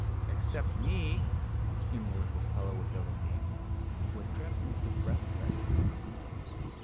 "Except me," screamed the little fellow without a name, who had crept into the breast feathers of the eagle.